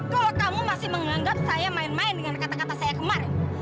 kalau kamu masih menganggap saya main main dengan kata kata saya kemarin